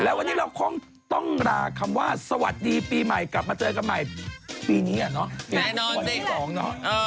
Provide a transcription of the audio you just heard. แล้ววันนี้เราคงต้องลาคำว่าสวัสดีปีใหม่กลับมาเจอกันใหม่ปีนี้อ่ะเนาะวันที่๒เนาะ